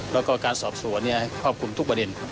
และการสอบสวนต้องทวดบทประเด็น